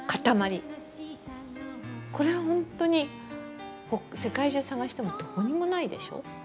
これはほんとに世界中探してもどこにもないでしょ。